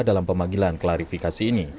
dalam pemanggilan klarifikasi ini